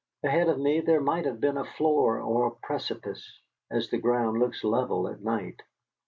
Ahead of me there might have been a floor or a precipice, as the ground looks level at night.